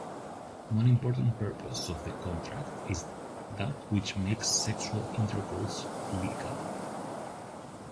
One important purpose of the contract is that which makes sexual intercourse legal.